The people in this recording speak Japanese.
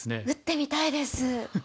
打ってみたいです。